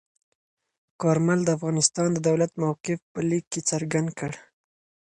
کارمل د افغانستان د دولت موقف په لیک کې څرګند کړ.